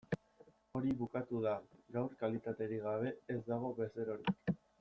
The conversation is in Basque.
Hori bukatu da, gaur kalitaterik gabe ez dago bezerorik.